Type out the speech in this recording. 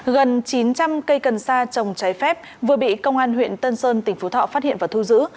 gần chín trăm linh cây cần sa trồng trái phép vừa bị công an huyện tân sơn tỉnh phú thọ phát hiện và thu giữ